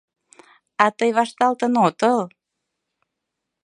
А тый вашталтын отыл?